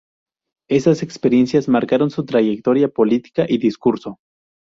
Esas experiencias marcaron su trayectoria política y discurso.